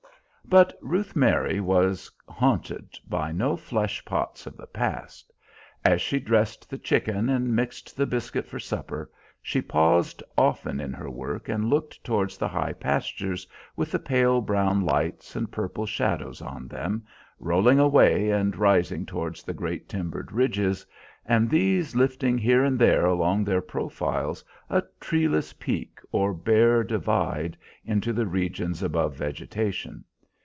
But Ruth Mary was haunted by no fleshpots of the past. As she dressed the chickens and mixed the biscuit for supper, she paused often in her work and looked towards the high pastures with the pale brown lights and purple shadows on them, rolling away and rising towards the great timbered ridges, and these lifting here and there along their profiles a treeless peak or bare divide into the regions above vegetation.